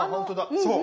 そう。